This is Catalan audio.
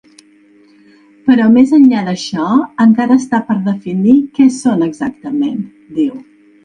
Però més enllà d’això, encara està per definir què són exactament, diu.